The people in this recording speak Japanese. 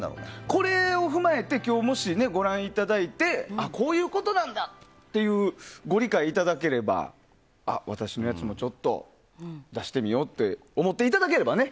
これを踏まえて今日もしご覧いただいてこういうことなんだっていうご理解いただければあ、私のやつもちょっと出してみようって思っていただければね